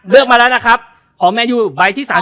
เลือกมาแล้วนะครับของแมนยูใบที่๓๐